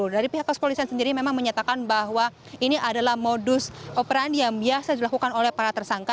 dari pihak kepolisian sendiri memang menyatakan bahwa ini adalah modus operandi yang biasa dilakukan oleh para tersangka